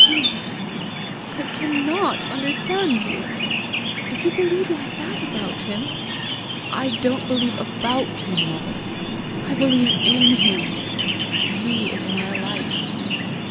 "Ian, I can NOT understand you! If you believe like that about him, " "I don't believe ABOUT him, mother! I believe in him. He is my life."